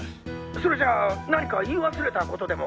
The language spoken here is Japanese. それじゃあ何か言い忘れたことでも？